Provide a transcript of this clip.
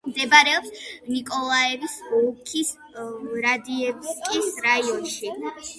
მდებარეობს ნიკოლაევის ოლქის ვრადიევკის რაიონში.